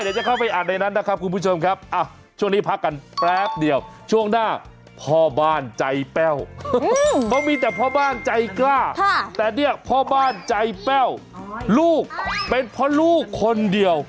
ยังส่งกันมาได้เดี๋ยวจะเข้าไปอ่านในนั้นนะครับคุณผู้ชมครับ